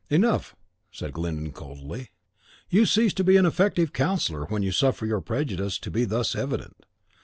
"Enough," said Glyndon, coldly; "you cease to be an effective counsellor when you suffer your prejudices to be thus evident.